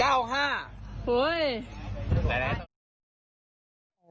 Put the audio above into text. ไปนั่นเลยไปถูกที่ต้นเลยนั่น